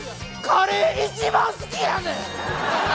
カレー一番好きやねん！